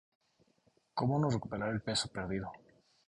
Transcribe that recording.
Cómo no recuperar el peso perdido